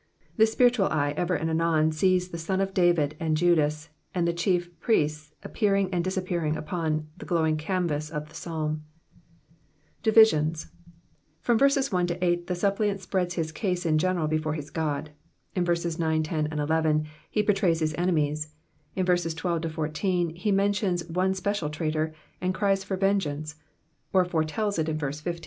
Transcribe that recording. The spiritual eye ever and anon sees the Son of David and Judas, and the chief priests appearing and disappearing upon the glowing canvas of the Psalm. Division. — Erom verses 1 to B, &e suppliant spreads his case in general b^ore his Ood ; in verses 9, 10, 11, he portrays his enemies ; inverses 12—14, he mentions one special traitor, and cries for vengeance^ or foretells it in verse 15.